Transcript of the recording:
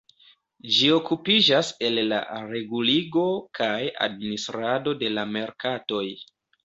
Ĝi okupiĝas el la reguligo kaj administrado de la merkatoj.